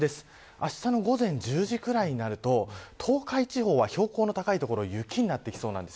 あしたの午前１０時になると東海地方は標高の高い所は雪になってきそうです。